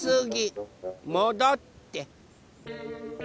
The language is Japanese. もどって。